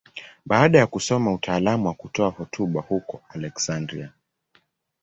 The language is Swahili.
Baada ya kusoma utaalamu wa kutoa hotuba huko Aleksandria.